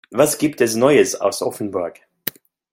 Was gibt es neues aus Offenburg?